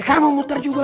kamu muter juga